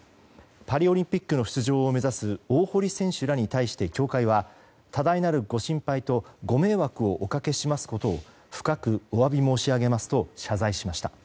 パリオリンピックの出場を目指す大堀選手らに対して協会は多大なるご心配とご迷惑をおかけしますことを深くお詫び申し上げますと謝罪しました。